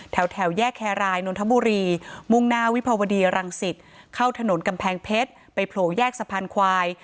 แถวแยกแครรายนนทบุรีมุ่งหน้าวิภาวดีรังสิตเข้าถนนกำแพงเพชรไปโผล่แยกสะพานควาย